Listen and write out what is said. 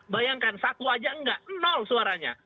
bayangkan satu aja nggak nol suaranya